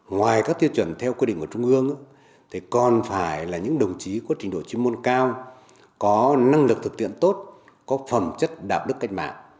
ngoài các tiêu chuẩn theo quy định của trung ương còn phải là những đồng chí có trình độ chuyên môn cao có năng lực thực tiện tốt có phẩm chất đạp đức cách mạng